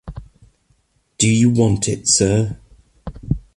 Do you want it, sir?